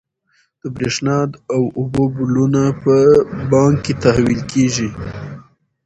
د برښنا او اوبو بلونه په بانک کې تحویل کیږي.